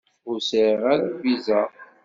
Ur sɛiɣ ara lviza.